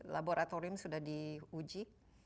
laboratorium sudah diuji